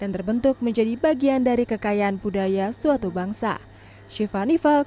yang terbentuk menjadi bagian dari kekayaan budaya suatu bangsa